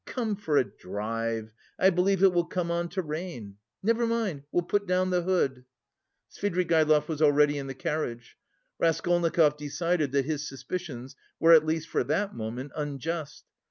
Come for a drive! I believe it will come on to rain. Never mind, we'll put down the hood...." Svidrigaïlov was already in the carriage. Raskolnikov decided that his suspicions were at least for that moment unjust.